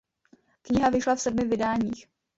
Kniha vyšla v sedmi vydáních.